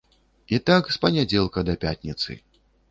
І так з панядзелка да пятніцы.